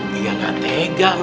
memalukan mau kegiatan